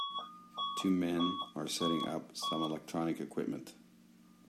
Two men are setting up some electronic equpitment